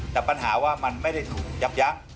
แต่ปัญหาว่ามันไม่ได้ถูกยับยั้ง